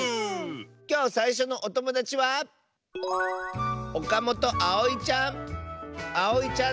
きょうさいしょのおともだちはあおいちゃんの。